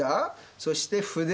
そして筆。